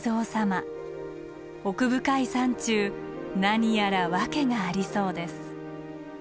奥深い山中何やら訳がありそうです。